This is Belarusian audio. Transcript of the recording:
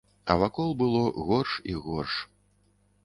А вакол было горш і горш.